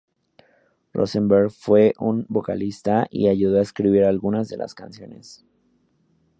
Rosenberg fue un vocalista, y ayudó a escribir algunas de las canciones.